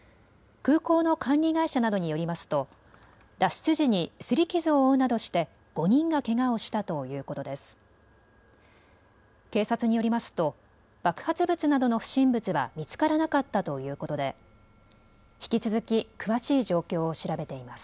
空港の管理会社などによりますと脱出時にすり傷を負うなどして５人がけがをしたということです。